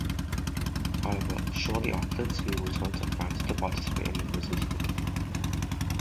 However, shortly afterwards he returned to France to participate in the Resistance.